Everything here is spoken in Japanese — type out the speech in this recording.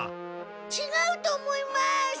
ちがうと思います！